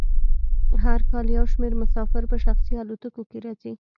هر کال یو شمیر مسافر په شخصي الوتکو کې راځي